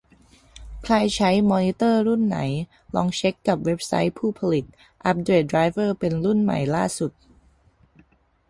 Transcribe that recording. ใครใช้มอนิเตอร์รุ่นไหน ลองเช็คกับเว็บไซต์ผู้ผลิต อัปเดตไดรเวอร์เป็นรุ่นใหม่ล่าสุด